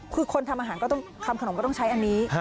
คือคนทำอาหารก็ต้องทำขนมก็ต้องใช้อันนี้